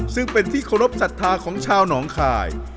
ซึ่งเป็นที่เคารพสัทธาของชาวหนองคาย